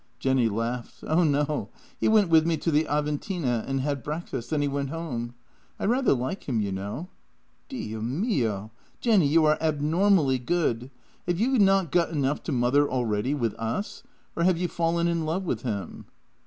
Jenny laughed. " Oh no! He went with me to the Aventine and had breakfast; then he went home. I rather like him, you know." " Dio mio! Jenny, you are abnormally good. Have you not got enough to mother already, with us ? Or have you fallen in love with him?